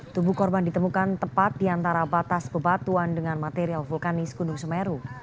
tubuh korban ditemukan tepat di antara batas bebatuan dengan material vulkanis gunung semeru